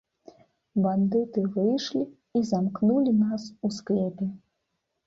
Бандыты выйшлі і замкнулі нас у склепе.